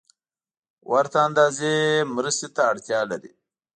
ورته اندازې مرستې ته اړتیا لري